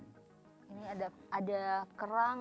ini ada perutnya